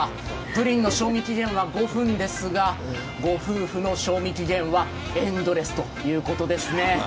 ぷりんの賞味期限は５分ですが、御夫婦の賞味期限はエンドレスということですね。